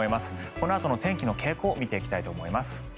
このあとの天気の傾向見ていきたいと思います。